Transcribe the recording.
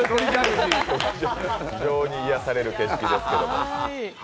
非常に癒される景色ですけれども。